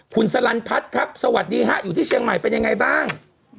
คุณสลันพัฒน์ครับสวัสดีฮะอยู่ที่เชียงใหม่เป็นยังไงบ้าง